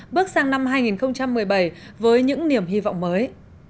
bước sang năm hai nghìn một mươi bảy với những niềm hy vọng mới